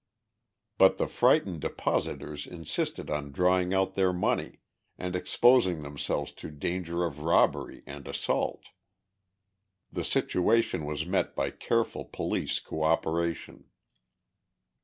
But the frightened depositors insisted on drawing out their money, and exposing themselves to danger of robbery and assault. The situation was met by careful police co operation.